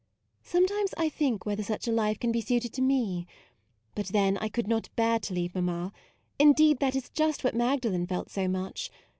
Sometimes I think whether such a life can be suited to me ; but then I could not bear to leave mam ma: indeed that is just what Mag dalen felt so much.